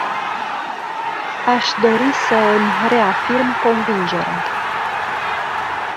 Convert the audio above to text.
Aceasta este provocarea cu care ne confruntăm astăzi.